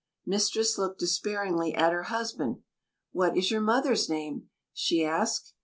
Mistress looked despairingly at her husband. "What is your mother's name?" she asked.